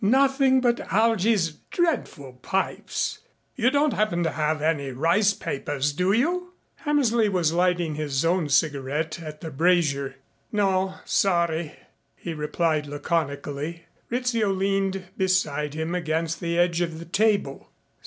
Nothing but Algy's dreadful pipes. You don't happen to have any rice papers do you?" Hammersley was lighting his own cigarette at the brazier. "No. Sorry," he replied laconically. Rizzio leaned beside him against the edge of the table.